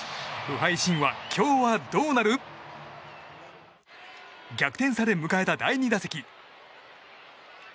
不敗神話、今日はどうなる？逆転され、迎えた第２打席。